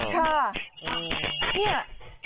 ค่ะเนี่ย